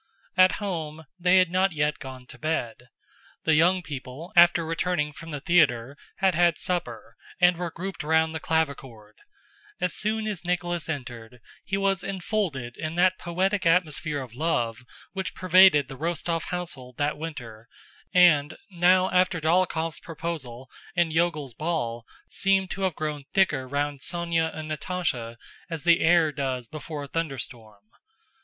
At home, they had not yet gone to bed. The young people, after returning from the theater, had had supper and were grouped round the clavichord. As soon as Nicholas entered, he was enfolded in that poetic atmosphere of love which pervaded the Rostóv household that winter and, now after Dólokhov's proposal and Iogel's ball, seemed to have grown thicker round Sónya and Natásha as the air does before a thunderstorm.